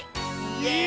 イエーイ！